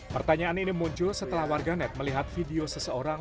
pertanyaan ini muncul setelah warganet melihat video seseorang